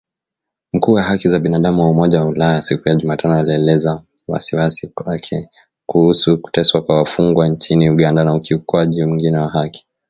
Mkuu wa haki za binadamu wa Umoja wa Ulaya siku ya Jumatano alielezea wasiwasi wake kuhusu kuteswa kwa wafungwa nchini Uganda na ukiukwaji mwingine wa haki